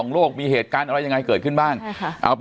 สวัสดีครับทุกผู้ชม